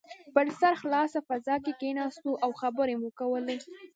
په سرخلاصه فضا کې کښېناستو او خبرې مو کولې.